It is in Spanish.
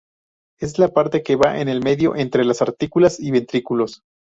Es la parte que va en el medio, entre las aurículas y ventrículos.